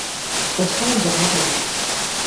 És com un germà per a mi.